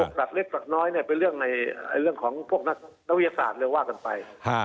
สัตว์เล็กปรับน้อยเป็นเรื่องของพวกนักวิทยาศาสตร์เลยว่ากันไป